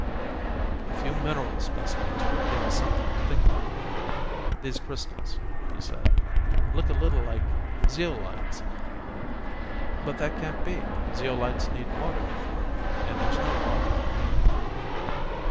"A few mineral specimens would give us something to think about, man. These crystals," he said, "look a little like zeolites, but that can't be, zeolites need water to form, and there's no water on the Moon."